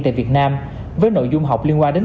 tại việt nam với nội dung học liên quan đến